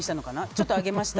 ちょっと上げました。